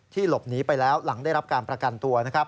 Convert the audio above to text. ที่หลบหนีไปแล้วหลังได้รับประกันตัว